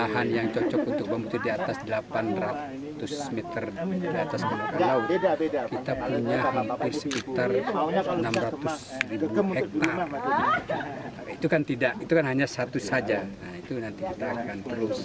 hanya untuk delapan puluh ribu saya kira tidak kesulitan